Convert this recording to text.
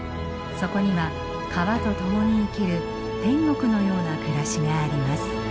そこには川と共に生きる天国のような暮らしがあります。